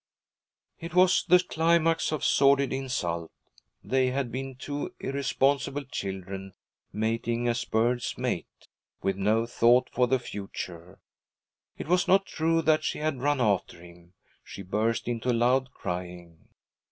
It was the climax of sordid insult. They had been two irresponsible children mating as birds mate, with no thought for the future. It was not true that she had run after him. She burst into loud crying.